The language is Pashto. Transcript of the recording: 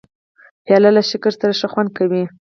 پیاله له شکر سره ښه خوند کوي.